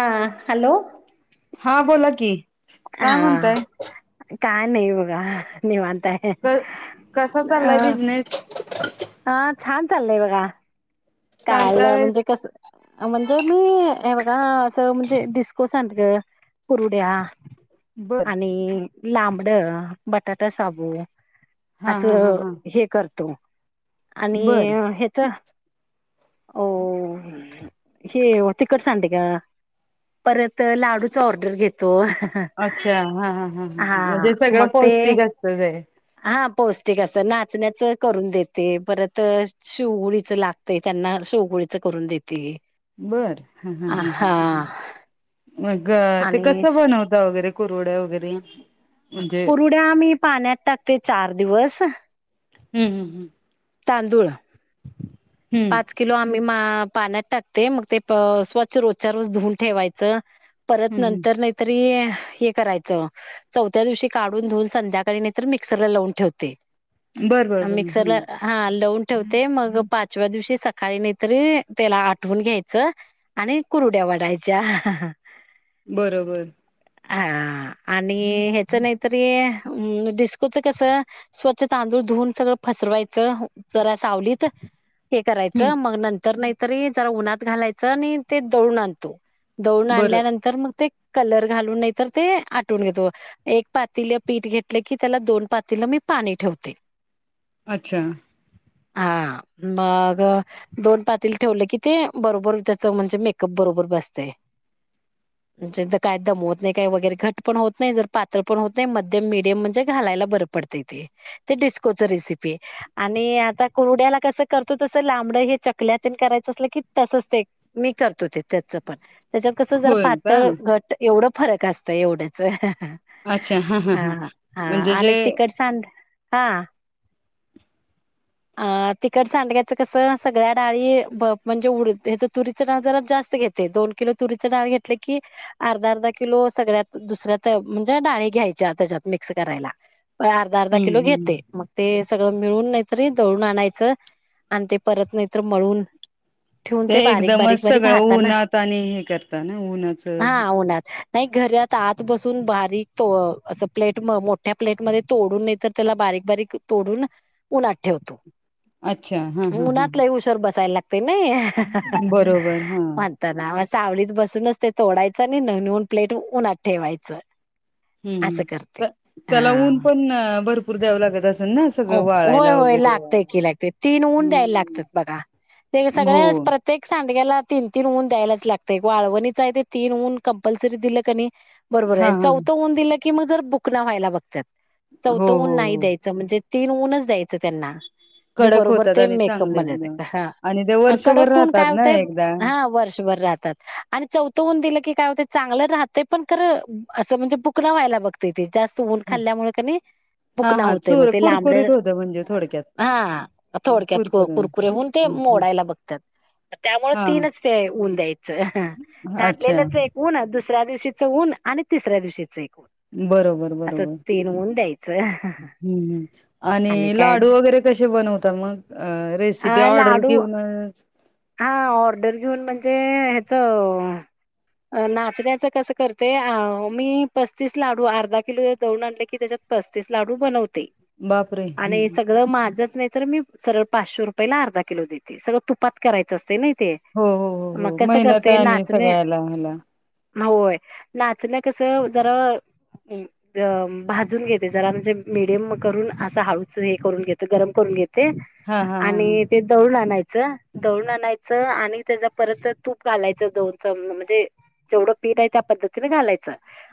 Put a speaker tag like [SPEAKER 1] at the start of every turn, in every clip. [SPEAKER 1] हा हॅलो
[SPEAKER 2] हा बोला की काय
[SPEAKER 1] हा
[SPEAKER 2] म्हणताय
[SPEAKER 1] काय नाही बघा निवंत
[SPEAKER 2] क कसा चाललाय
[SPEAKER 1] अह
[SPEAKER 2] बिझनेस
[SPEAKER 1] हा छान चाललय बघा
[SPEAKER 2] काय
[SPEAKER 1] काल
[SPEAKER 2] काय
[SPEAKER 1] म्हणजे कस म्हणजे मी हे बघा असं म्हणजे डिस्को सांडग कुरुड्या
[SPEAKER 2] बर
[SPEAKER 1] आणि लांबड बटाटा शाबु
[SPEAKER 2] हा हा हा
[SPEAKER 1] असं
[SPEAKER 2] हा
[SPEAKER 1] हे करतो आणि
[SPEAKER 2] बर
[SPEAKER 1] ह्याच ओ हे हो तिकड सांडग परत लाडूचा ऑर्डर घेतो
[SPEAKER 2] अच्छा हा ह ह
[SPEAKER 1] हा
[SPEAKER 2] ह म्हणजे सगळ
[SPEAKER 1] मग ते
[SPEAKER 2] पौष्टिक असत ते
[SPEAKER 1] हा पौष्टिक अस नाचण्याच करून देते परत शिवडीच लागत ते त्यांना शेवगोळीच करून देते अ हा
[SPEAKER 2] मग ते कस
[SPEAKER 1] आणि
[SPEAKER 2] बनवता वगैरे कुरुड्या वगैरे म्हणजे
[SPEAKER 1] कुरुड्या आम्ही पाण्यात टाकते चार दिवस
[SPEAKER 2] हम्म हम्म हम्म
[SPEAKER 1] तांदूळ
[SPEAKER 2] हम्म
[SPEAKER 1] पाच किलो आम मी पाण्यात टाकते मग ते स्वच्छ रोजच्या रोज धुवून ठेवायचं परत
[SPEAKER 2] हम्म हम्म
[SPEAKER 1] नंतर नाहीतरी हे करायच चौथ्या दिवशी काढून धुऊन संध्याकाळी नाही तर मिक्सरला लावून ठेवते
[SPEAKER 2] बर बर बर
[SPEAKER 1] मिक्सरला
[SPEAKER 2] हम्म
[SPEAKER 1] हा लवून ठेवते मग पात व्या दिवशी सकाळी नाहीतरी त्याला आठवून घ्यायचं आणि कुरुड्या वाढायच्या
[SPEAKER 2] बरोबर
[SPEAKER 1] हा आणि ह्याच नाहीतरी अम् डिस्कोचं कसं स्वच्छ तांदूळ धुऊन सगळं पसरवायचं जरा सावलीत हे
[SPEAKER 2] हम्म
[SPEAKER 1] करायचं मग नंतर नाहीतरी जरा उन्हात घालायचं आणि ते दळून आणतो दळुन
[SPEAKER 2] बरं
[SPEAKER 1] आणल्यानंतर मग ते कलर घालून नाही तर ते आटवुन घेतो एक पातीले पीठ घेतले की त्याला दोन पातीलं मी पाणी ठेवते.
[SPEAKER 2] अच्छा.
[SPEAKER 1] ह. मग दोन पातील ठेवले की ते बरोबर त्याच म्हणजे मेकअप बरोबर बसते. [unintelligible] म्हणजे काय दमवत नाही काही वगैरे घट पण होत नाही, जर पातळ पण होत नाही, मध्यम मिडियम म्हणजे घालायला बर होतं ते, ते डिस्कोची रेसिपी आणि आता कुरुड्याला कसं करतो तस लांबड हे चकल्यात करायचं असलं की तसच ते मी करतो ते त्याच पण त्याच्यावर कसं जर
[SPEAKER 2] होय का
[SPEAKER 1] पातळ, घट एवढं फरक असतं एवढ्याच.
[SPEAKER 2] अच्छा हा हा हा म्हणजे जे
[SPEAKER 1] आणि तिखट सांड हा. आ ते सांड्याच कस सगळ्या डाळी म्हणजे उ तुरीची डळ जरा जास्त घेते दोन किल तुरी डाळ घेतले की अर्धा अर्धा किलो सगळ्यात दुसऱ्या म्हणजे डाळी घ्यायच्या त्याच्यात मिक्स करायला प अर्धा अर्धा
[SPEAKER 2] हम्म
[SPEAKER 1] किलो
[SPEAKER 2] हम्म
[SPEAKER 1] घेते मग ते सगळं मिळून नाही तरी दळून आणायचं आणि ते परत नाहीतर मळून ठेऊून ते बारीक
[SPEAKER 2] एकदमच
[SPEAKER 1] बारीक बारीक
[SPEAKER 2] सगळं
[SPEAKER 1] हाताना
[SPEAKER 2] उन्हात आणि हे करता ना उन्हाचं
[SPEAKER 1] हा उन्हात नाही घरात आत बसून बारीक असं प्लेट मोठ्या प्लेट मध्ये तोडून नाही तर त्याला बारी बारीक बारीक तोडून उन्हात ठेवतो.
[SPEAKER 2] अच्छा हा हा हा
[SPEAKER 1] उन्हात लई उशवर बसायला लागते नाही
[SPEAKER 2] बरोबर हा
[SPEAKER 1] म्हणताना. सावळीत बसूनच ते तोडायचं आणि न नऊन प्लेट उन्हात ठेवायचं. असं करते.
[SPEAKER 2] हम्म त्याला ऊन
[SPEAKER 1] हा
[SPEAKER 2] पण भरपूर द्यावं लागत. असेल ना सगळं
[SPEAKER 1] होय
[SPEAKER 2] वाळायला
[SPEAKER 1] होय
[SPEAKER 2] वगैरे
[SPEAKER 1] लागतय की लागते तीन ऊन द्यायला
[SPEAKER 2] हम्म
[SPEAKER 1] लागतात बघा. ते
[SPEAKER 2] हो
[SPEAKER 1] सगळे प्रत्येक सांग ड्याला तीन तीन ऊन द्यायलाच लागत वाळवणीचा आहे ते तीन ऊन कंपल्सरी दिल कणी बरोबर
[SPEAKER 2] हा हा
[SPEAKER 1] चौथ ऊन दिल की मग ज बुकना व्हायला बघत्यात,
[SPEAKER 2] हो
[SPEAKER 1] चौथ
[SPEAKER 2] हो
[SPEAKER 1] ऊन नाही
[SPEAKER 2] हो
[SPEAKER 1] द्याय म्हणजे तीन ऊनच द्यायचं त्यांना. म्हे
[SPEAKER 2] कडक
[SPEAKER 1] बरोबर
[SPEAKER 2] होतात
[SPEAKER 1] ते
[SPEAKER 2] आणि
[SPEAKER 1] मेकअप
[SPEAKER 2] चांगले
[SPEAKER 1] मध्ये
[SPEAKER 2] एकदम
[SPEAKER 1] येते.
[SPEAKER 2] आणि ते
[SPEAKER 1] ह
[SPEAKER 2] वर्षभर
[SPEAKER 1] कडकून
[SPEAKER 2] राहतात
[SPEAKER 1] काय
[SPEAKER 2] ना
[SPEAKER 1] होतय
[SPEAKER 2] एकदा
[SPEAKER 1] हा वर्षभर राह आणि चौथं ऊन दिलं की काय होते, चांगलं राहतंय खरं बुकना व्हायला बघते ते. चवून
[SPEAKER 2] हा
[SPEAKER 1] खाल्ल्यामुळे क
[SPEAKER 2] हा
[SPEAKER 1] भुकना
[SPEAKER 2] हा
[SPEAKER 1] होत ते मग
[SPEAKER 2] चुर
[SPEAKER 1] ते लांबड
[SPEAKER 2] कुरकुरीत होतं म्हणजे थोडक्यात
[SPEAKER 1] हा थोडक्यात कुरकुर होन ते मोडायला बघतात. त्यामुळे
[SPEAKER 2] हा
[SPEAKER 1] तीनच ते ऊन द्यायचं
[SPEAKER 2] अच्छा
[SPEAKER 1] घातलेलंच एक ऊन, दुसर तिसऱ्या दिवशीच ऊन आणि तिसऱ्या दिवशीच एक.
[SPEAKER 2] बरोबर
[SPEAKER 1] असं
[SPEAKER 2] बरोबर
[SPEAKER 1] तीन ऊन द्यायचं.
[SPEAKER 2] हम्म हम्म. आणि लाडू वगैरे कसे बनवतात मग रेसिपी
[SPEAKER 1] अ
[SPEAKER 2] ऑर्डर
[SPEAKER 1] लाडू
[SPEAKER 2] घेऊनच
[SPEAKER 1] हा ऑर्डर घेऊन म्हणजे ह्याच नाचण्याचं कसं करते अ मी पस्तीस लाडू अर्धा किलो दळून आणले की त्याच्यात पस्तीस लाडू बनवते
[SPEAKER 2] बापरे!
[SPEAKER 1] आणि
[SPEAKER 2] हम्म.
[SPEAKER 1] सगळं माझ नाही तर मी सरळ पाचशे रुपयाला अर्धा किलो दे सळ तुपात करायचं असते नाही. ते
[SPEAKER 2] हो, हो, हो,
[SPEAKER 1] मग
[SPEAKER 2] हो.
[SPEAKER 1] कसं
[SPEAKER 2] मेहनत
[SPEAKER 1] करते
[SPEAKER 2] आहे आणि
[SPEAKER 1] नाचणे
[SPEAKER 2] सगळ्याला ह्याला.
[SPEAKER 1] होय नाचन कसं जरा भाजून घेते जरा म्हणजे मीडियम करून असं हळूच हे करून घेते गरम करून घेते
[SPEAKER 2] हां, हां, हां, हां.
[SPEAKER 1] आणि ते दळून आणायच. दून आणायचं आणि त्याचा परत तूप घालायचं दौचं म्हणजे जेवढं पीठ आहे त्या पद्धतीने घालायचं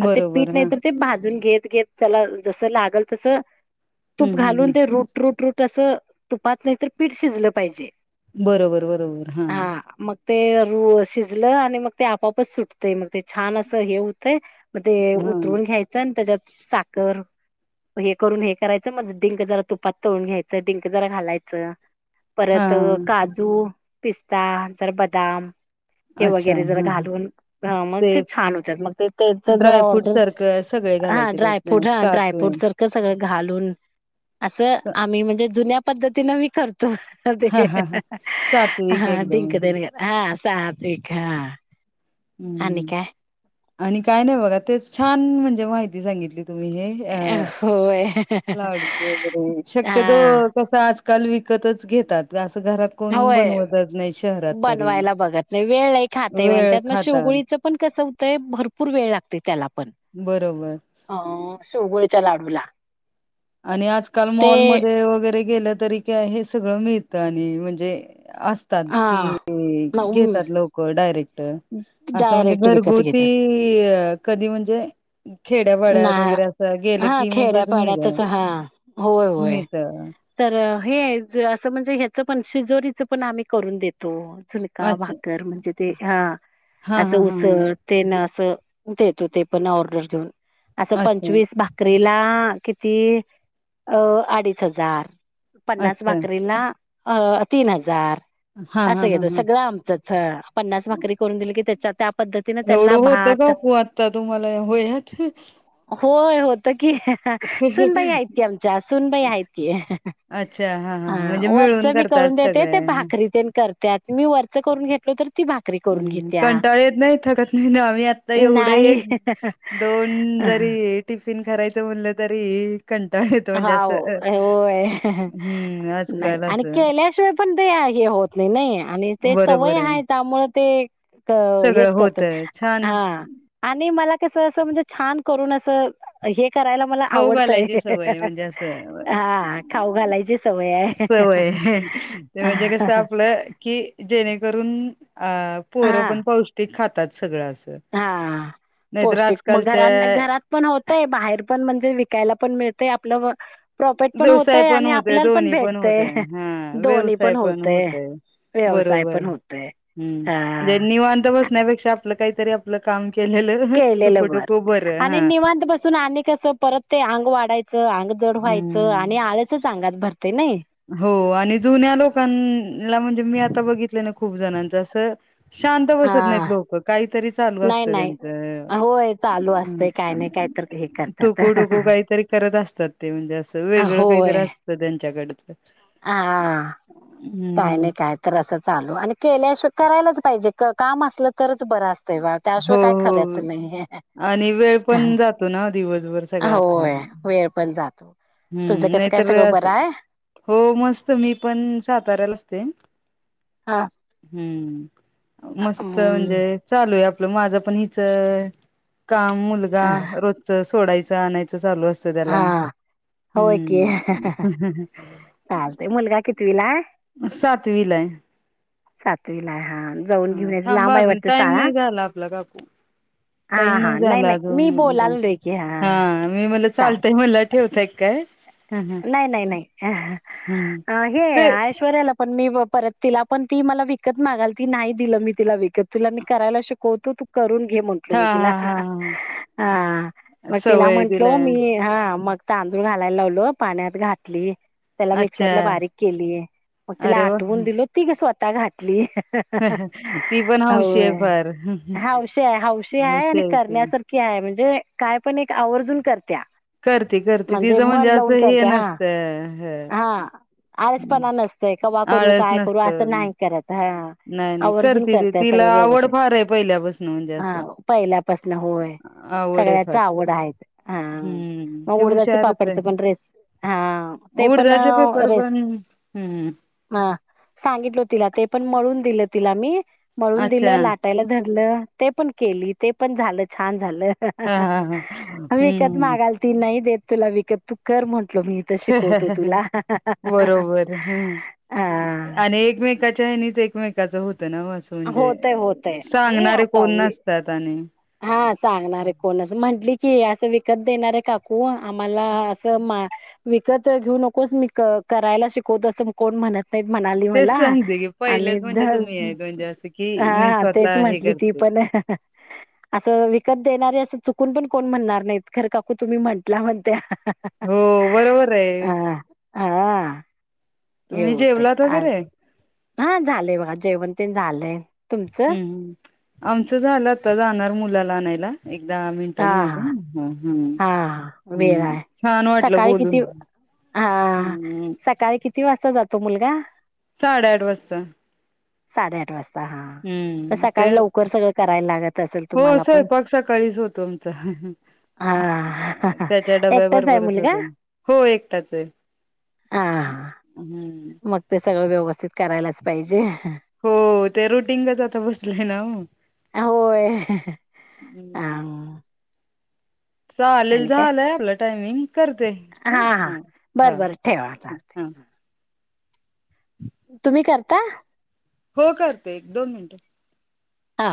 [SPEAKER 1] आणि ते पीठ
[SPEAKER 2] बरोबर.
[SPEAKER 1] नाही
[SPEAKER 2] हां.
[SPEAKER 1] तर ते भाजून घेत त्याला जस लागल तस
[SPEAKER 2] हं,
[SPEAKER 1] तूप
[SPEAKER 2] हं,
[SPEAKER 1] घालून
[SPEAKER 2] हं.
[SPEAKER 1] ते रूट रूट रूट तसं तुपात नाही तर पीठ शिजलं पाहिजे.
[SPEAKER 2] बरोबर बरोबर हा.
[SPEAKER 1] ते रू शिजलं आणि मग ते आपापच सुटतय मग ते छान असं हे होतंय. मग ते
[SPEAKER 2] हां,
[SPEAKER 1] उतरून घ्यायचं आणि त्याच्यात साखर हे करून हे करायचं. समज डिंक जरा तुपात तळून घ्यायचं, डिंक जरा घालायचं. परत
[SPEAKER 2] हां.
[SPEAKER 1] काजू, पिस्ता जरा बदाम हे
[SPEAKER 2] अच्छा.
[SPEAKER 1] वगैरे जरा
[SPEAKER 2] हां, हां.
[SPEAKER 1] घालून, हा मग ते छान होतात मग ते त्याच जरा
[SPEAKER 2] ड्रायफ्रूट
[SPEAKER 1] ऑर्डर
[SPEAKER 2] सारखं सगळे
[SPEAKER 1] हा
[SPEAKER 2] घालायचे त्यात
[SPEAKER 1] ड्रायफ्रूट हा
[SPEAKER 2] सातवे
[SPEAKER 1] ड्रायफ्रूट सारखं सगळं घालून असं
[SPEAKER 2] स
[SPEAKER 1] आम्ही म्हणजे जुन्या पद्धतीन मी कर त
[SPEAKER 2] हां,
[SPEAKER 1] ते
[SPEAKER 2] हां, हां. सात्विक
[SPEAKER 1] हा
[SPEAKER 2] एकदम.
[SPEAKER 1] डिंक देन का हा. साप हे कार?
[SPEAKER 2] हम्म आणि काय नाही बघा ते छान, म्हणजे माहिती सांगितली. तुम्ही हे अ
[SPEAKER 1] होय
[SPEAKER 2] लाडूचे वगरे शक्यतो
[SPEAKER 1] हा
[SPEAKER 2] कसा काल विकतच घेतात. घरात कोण
[SPEAKER 1] होय
[SPEAKER 2] बनवतच नाही शहरात तरी
[SPEAKER 1] बनवायला बघत नाही वेळ खातय
[SPEAKER 2] वेळ
[SPEAKER 1] म्हणत्यात.
[SPEAKER 2] खातात
[SPEAKER 1] शेवगोळीचं पण कसं होतंय भरपूर वेळ लागते त्याला.
[SPEAKER 2] बरोबर
[SPEAKER 1] अ शोगळच्या लाडूला.
[SPEAKER 2] आणि आजकाल
[SPEAKER 1] ते
[SPEAKER 2] मॉलमध्ये वगैरे गेलं तरी काय हे सगळं मिळत आणि म्हणजे असतात
[SPEAKER 1] हा
[SPEAKER 2] कि
[SPEAKER 1] मग
[SPEAKER 2] घेतात लोक डायरेक्ट असं म्हणजे
[SPEAKER 1] डायरेक्ट विकत
[SPEAKER 2] घरगुती
[SPEAKER 1] घेतात
[SPEAKER 2] कधी म्हणजे
[SPEAKER 1] ना
[SPEAKER 2] खेड्याभड्यात वगैरे असं गेलं
[SPEAKER 1] हा
[SPEAKER 2] की मगज मी
[SPEAKER 1] खेड्यापाड्यातच हा होय होय तर. हे असं म्हणजे ह्याचं पण शिजोरीच पण आम्ही करून देतो. झुलका
[SPEAKER 2] अच्छा
[SPEAKER 1] भाकर म्हणजे ते ह
[SPEAKER 2] हा
[SPEAKER 1] असं
[SPEAKER 2] हा हा हा
[SPEAKER 1] उसळ ते न देतो ते पण ऑर्डर घेऊन असं
[SPEAKER 2] अच्छा
[SPEAKER 1] पंचवीस भाकरीला किती अ अडीच हजार पन्नास
[SPEAKER 2] अच्छा
[SPEAKER 1] भाकरीना. अ तीन हजार
[SPEAKER 2] हा हा
[SPEAKER 1] असं
[SPEAKER 2] हा
[SPEAKER 1] घेतो
[SPEAKER 2] हा
[SPEAKER 1] सगळं आमचं पन्नास भाकरी करून दिली की त्याच्या त्या पद्धतीने त्यांना
[SPEAKER 2] एवढं होत ग
[SPEAKER 1] भात
[SPEAKER 2] खू आत्ता तुम्हाला या वयात.
[SPEAKER 1] होय होत कि सुनबाई आहेत की आमच्या सुनबाई आहेत की
[SPEAKER 2] अच्छा. हां, हां,
[SPEAKER 1] हा
[SPEAKER 2] हां. म्हणजे
[SPEAKER 1] वरच
[SPEAKER 2] मिळून
[SPEAKER 1] मी करून
[SPEAKER 2] करतात
[SPEAKER 1] देते
[SPEAKER 2] सगळे.
[SPEAKER 1] ते भाकरी ते करते आ मी वरच करून घेतलो तर ती भाकरी करून
[SPEAKER 2] हं.
[SPEAKER 1] घेत्या
[SPEAKER 2] कंटाळा येत नाही, थकत नाही
[SPEAKER 1] नाही.
[SPEAKER 2] दोन जरी टिफिन करायचं म्हणलं तरी कंटाळा येतो
[SPEAKER 1] हो
[SPEAKER 2] म्हणजे असं अ,
[SPEAKER 1] वो होय
[SPEAKER 2] हं.
[SPEAKER 1] नाही
[SPEAKER 2] आजकाल
[SPEAKER 1] आणि
[SPEAKER 2] असं.
[SPEAKER 1] केल्याशिवाय पण ते हे होत नाही नाही आणि ते सवय आहे त्यामुळे ते
[SPEAKER 2] सगळं
[SPEAKER 1] हेच करत
[SPEAKER 2] होतं. छान
[SPEAKER 1] हा आणि मला कस असं म्हणजे छान करून असं हे करायला मला
[SPEAKER 2] खाऊ
[SPEAKER 1] आवडतंय.
[SPEAKER 2] घालायची सवय आहे म्हणजे
[SPEAKER 1] हा खाऊ
[SPEAKER 2] असं
[SPEAKER 1] घालायची सवय आहे.
[SPEAKER 2] सवय ते म्हणजे कसं आपलं की जेणेकरून अ पोरं
[SPEAKER 1] हां.
[SPEAKER 2] पण पौष्टिक खातात सगळं अस.
[SPEAKER 1] हा पौष्टिक मगर घरात पण होतय बाहेर पण म्हणजे वी यला पण मिळतय आपलं प्रॉफिट पण
[SPEAKER 2] व्यवसाय
[SPEAKER 1] होतय
[SPEAKER 2] पण
[SPEAKER 1] आणि
[SPEAKER 2] होत
[SPEAKER 1] आपल्याला
[SPEAKER 2] दोन्ही पण
[SPEAKER 1] भेटतय
[SPEAKER 2] होतय हा व्यवसाय पण होतय, हा.
[SPEAKER 1] व्यवसाय
[SPEAKER 2] बरोबर
[SPEAKER 1] पण होतय
[SPEAKER 2] हम्म म्हणे
[SPEAKER 1] हा
[SPEAKER 2] निवांत बसण्यापेक्षा आपलं काहीतरी आपलं काम केलेलं
[SPEAKER 1] केलेलं बर
[SPEAKER 2] टुकूटुकू बरं
[SPEAKER 1] आणि
[SPEAKER 2] हा
[SPEAKER 1] निवांत पाासून आणि कस परत ते अंग वाढायचं अंग जड व्हायचं
[SPEAKER 2] हम्म
[SPEAKER 1] आणि आल्याच अंगात भर
[SPEAKER 2] हो आणि जुन्या लोकांना म्हणजे मी आता बघितले ना खूप जणांच असं शांत
[SPEAKER 1] हा
[SPEAKER 2] बसत नाहीत लोक काहीतरी चालू
[SPEAKER 1] नाही
[SPEAKER 2] असत
[SPEAKER 1] नाही
[SPEAKER 2] त्यांचं.
[SPEAKER 1] होय चालू असते काय नाही काय तर हे करतात
[SPEAKER 2] टुकूडुकू काहीतरी करत अस ते म्हणजे असं वेगळं काहीतरी
[SPEAKER 1] होय
[SPEAKER 2] असतं त्यांच्याकड
[SPEAKER 1] हा काय
[SPEAKER 2] हम्म.
[SPEAKER 1] नाही काय तर असं चालू आणि केल्या श करायलाच पाहिजे काम असलं तरच बरं असतंय बा
[SPEAKER 2] हो,
[SPEAKER 1] त्याशिवाय काय
[SPEAKER 2] हो.
[SPEAKER 1] खरायचं नाही.
[SPEAKER 2] आणि वेळ पण जातो ना दिवसभर सगळ्या खा
[SPEAKER 1] होय वेळ पण जातो तुझं
[SPEAKER 2] हम्म
[SPEAKER 1] कसं
[SPEAKER 2] नाही
[SPEAKER 1] काय
[SPEAKER 2] तर
[SPEAKER 1] सगळं
[SPEAKER 2] वेळेचं
[SPEAKER 1] बरं आहे
[SPEAKER 2] हो मस्त, मी पण साताऱ्याला असते.
[SPEAKER 1] हा
[SPEAKER 2] हम्म. मस्त
[SPEAKER 1] अम,
[SPEAKER 2] म्हणजे चालू आहे आपलं माझं पण हिच काम, मुलगा, रोजच सोडायचं, आणायचं चालू असतं त्याला.
[SPEAKER 1] हा
[SPEAKER 2] हम्म ह.
[SPEAKER 1] चालतय मुलगा कितीवीलाय?
[SPEAKER 2] सातवीला आहे.
[SPEAKER 1] सातवीलाय हा. जाऊन
[SPEAKER 2] हा
[SPEAKER 1] घेऊनच लांब
[SPEAKER 2] थांबा
[SPEAKER 1] आहे
[SPEAKER 2] अजून
[SPEAKER 1] वाटत
[SPEAKER 2] टाइम
[SPEAKER 1] शाळा?
[SPEAKER 2] नाही झाला आपला काकू.
[SPEAKER 1] हा
[SPEAKER 2] टाईम
[SPEAKER 1] हा नाही
[SPEAKER 2] झाला
[SPEAKER 1] नाही मी
[SPEAKER 2] अजून ब
[SPEAKER 1] बोलालो की हा
[SPEAKER 2] मी मला
[SPEAKER 1] चाल
[SPEAKER 2] चालतय मला ठेवताय काय ह ह
[SPEAKER 1] नाही नाही नाही
[SPEAKER 2] हम्
[SPEAKER 1] हे
[SPEAKER 2] ते
[SPEAKER 1] आयश्वर्याला पण मी परत तिला पण ती मला विकत मागालती नाही दिलं मी तिला विकत. तुला मी करायला शिकवतो तू करून घे म्हटलो
[SPEAKER 2] हा
[SPEAKER 1] मी
[SPEAKER 2] हा
[SPEAKER 1] तिला.
[SPEAKER 2] हा
[SPEAKER 1] हा
[SPEAKER 2] हा
[SPEAKER 1] मग तिला
[SPEAKER 2] सवय
[SPEAKER 1] म्हंटलो
[SPEAKER 2] दिलाय
[SPEAKER 1] मी हा मग तांदूळ घालायला लावलो. पाण्यात घातली. त्याला
[SPEAKER 2] अच्छा
[SPEAKER 1] मिक्सरला बारीक केलीय मग तिला
[SPEAKER 2] अरे वा
[SPEAKER 1] आठवून दिलो ती ग स्वतः घातली.
[SPEAKER 2] ती पण हौशी
[SPEAKER 1] होय
[SPEAKER 2] आहे फार
[SPEAKER 1] हवशी आहे हौशी आहे आणि करण्यासारखी आह काय म्हणजे काय पण एक आवर्जून करत्या.
[SPEAKER 2] करती करती तिचं म्हणजे
[SPEAKER 1] मन
[SPEAKER 2] असं
[SPEAKER 1] लावून
[SPEAKER 2] हे
[SPEAKER 1] करते हां.
[SPEAKER 2] नसतं ह.
[SPEAKER 1] हा आळसपणा नसतय कवा करू? काय करू?
[SPEAKER 2] नसत
[SPEAKER 1] असं नाही करत हा.
[SPEAKER 2] नाही नाही
[SPEAKER 1] आवर्जून
[SPEAKER 2] करते ती
[SPEAKER 1] करताय
[SPEAKER 2] तिला
[SPEAKER 1] सगळं
[SPEAKER 2] आवड
[SPEAKER 1] व्यवस्तीत
[SPEAKER 2] फार आहे पहिल्यापासून म्हणजे
[SPEAKER 1] हा
[SPEAKER 2] असं
[SPEAKER 1] पहिल्यापासन होय.
[SPEAKER 2] आवड आहे
[SPEAKER 1] सगळ्याच
[SPEAKER 2] फार
[SPEAKER 1] आवड आहे. ह
[SPEAKER 2] हम्म
[SPEAKER 1] मग
[SPEAKER 2] ती
[SPEAKER 1] उडदाच
[SPEAKER 2] हुशारच
[SPEAKER 1] पापडच
[SPEAKER 2] आहे
[SPEAKER 1] पण रेस हा ते पण
[SPEAKER 2] उडदाचे पेपर पण
[SPEAKER 1] रेस
[SPEAKER 2] हम्म
[SPEAKER 1] ह सांगितल तिला ते पण मळून दिलं. तिला मी मळून दिलं
[SPEAKER 2] अच्छा
[SPEAKER 1] लाटायला धरलं ते पण केली ते पण झालं छान.
[SPEAKER 2] हा हा हा
[SPEAKER 1] विकत
[SPEAKER 2] हम्म
[SPEAKER 1] मागालती. नाही देत तुला वत तू कर मी त शिकवतो तुला
[SPEAKER 2] बरोबर
[SPEAKER 1] [unintelligible]
[SPEAKER 2] काच्या हेनीच एकमेकाच होत ना असं म्हणजे
[SPEAKER 1] होतय होतय आणि
[SPEAKER 2] सांगणारे
[SPEAKER 1] आता
[SPEAKER 2] कोण
[SPEAKER 1] वि-
[SPEAKER 2] नसतात आणि
[SPEAKER 1] हा सांगणारे कोणच म्हंटली की असं विकत देणारे काकू आम्हाला असं मा विकत घेऊ नकोस मी करायला शिकवतो असं कोण म्हणत म्हणाली
[SPEAKER 2] तेच
[SPEAKER 1] मला
[SPEAKER 2] सांगते की
[SPEAKER 1] आणि
[SPEAKER 2] पहिलेच म्हणजे तुम्ही आहेत म्हणजे असं की मी
[SPEAKER 1] हा तेच
[SPEAKER 2] स्वतः हे
[SPEAKER 1] म्हटली ती
[SPEAKER 2] करते
[SPEAKER 1] प [inaudible] असं विकत देणारे असं चुकून पण कोण म्हणणार नाहीत खरं काकू तुम्ही म्हटला म्हनत्या.
[SPEAKER 2] हो बरोबर आहे.
[SPEAKER 1] हा हे
[SPEAKER 2] तुम्ही
[SPEAKER 1] होतय
[SPEAKER 2] जेवलात
[SPEAKER 1] आज
[SPEAKER 2] वगैरे
[SPEAKER 1] हा झालेय बघा जेव ते झालंय. तुमचं
[SPEAKER 2] हम्म हम्. आमचं झालं आता जाणार मुलाला आणायला. एक दहा
[SPEAKER 1] हा
[SPEAKER 2] मिनिटंनी
[SPEAKER 1] हा
[SPEAKER 2] अजून हम.
[SPEAKER 1] हा हा वेळ आहे सकाळी किती हा
[SPEAKER 2] हम्म
[SPEAKER 1] सकाळी किती किती वाजता जातो मुलगा?
[SPEAKER 2] साडेआठ वाजता.
[SPEAKER 1] साडे आठ वाजता. हा म
[SPEAKER 2] हम्म ते
[SPEAKER 1] सकाळी लवकर सगळं करायला लागत असेल
[SPEAKER 2] हो
[SPEAKER 1] तुम्हाला पण
[SPEAKER 2] स्वयपाक सकाळीच होतो आमचा.
[SPEAKER 1] हा
[SPEAKER 2] त्याच्या डब्या
[SPEAKER 1] एकटाच आहे
[SPEAKER 2] बरोबरच
[SPEAKER 1] मुलगा
[SPEAKER 2] होत. हो एकटाच आहे.
[SPEAKER 1] हा
[SPEAKER 2] हम्म.
[SPEAKER 1] मग ते सगळं व्यवस्थित करायलाच पाहिजे.
[SPEAKER 2] हो ते रुटिंगंगच आता बसलेय ना. हम्म.
[SPEAKER 1] [unintelligible]
[SPEAKER 2] चालेल
[SPEAKER 1] आणि काय
[SPEAKER 2] झालंय आपलं टायमिंग करते.
[SPEAKER 1] हा
[SPEAKER 2] ठेवू?
[SPEAKER 1] हा
[SPEAKER 2] ह
[SPEAKER 1] बरं
[SPEAKER 2] हा. हा.
[SPEAKER 1] [unintelligible] तुम्ही करता?
[SPEAKER 2] हो करते एक दोन मिनट.
[SPEAKER 1] हा.